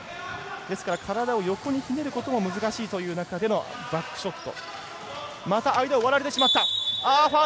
ですから、体を横にひねることも難しいという中でのバックショット。